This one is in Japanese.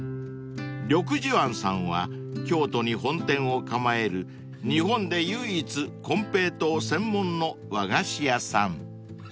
［緑寿庵さんは京都に本店を構える日本で唯一コンペイトー専門の和菓子屋さん］